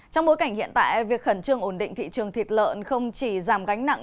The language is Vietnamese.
trong bối cảnh hiện tại việc khẩn trương ổn định thị trường thịt lợn không chỉ giảm gánh nặng